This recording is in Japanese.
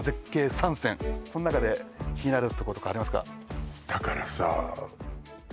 ３選こん中で気になるとことかありますか？